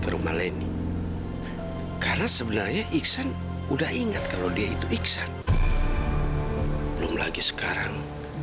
rumah leni karena sebenarnya iksan udah ingat kalau dia itu iksan belum lagi sekarang